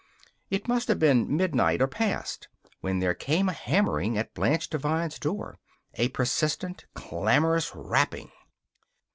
It must have been midnight or past when there came a hammering at Blanche Devine's door a persistent, clamorous rapping.